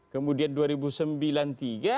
kemudian dua ribu sembilan puluh tiga